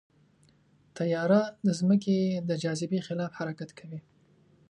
طیاره د ځمکې د جاذبې خلاف حرکت کوي.